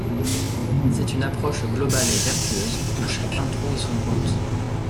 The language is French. C’est une approche globale et vertueuse où chacun trouve son compte.